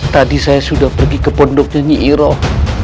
tadi saya sudah pergi ke pondoknya nyi iroh